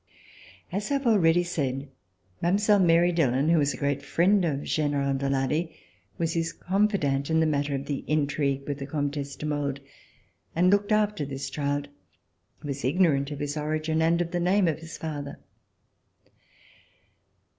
As I have already said, Mile. Mary Dillon, who was a great friend of General de Lally, was his confidante in the matter of the intrigue with the Comtesse de Maulde and looked after this child, who was ignorant of his origin and of the name of his father.